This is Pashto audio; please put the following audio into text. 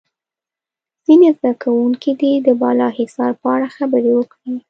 ځینې زده کوونکي دې د بالا حصار په اړه خبرې وکړي.